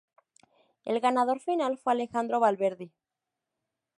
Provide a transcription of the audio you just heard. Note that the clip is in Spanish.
El ganador final fue Alejandro Valverde.